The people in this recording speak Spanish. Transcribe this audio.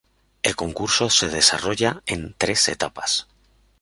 El concurso se desarrolla en tres etapas.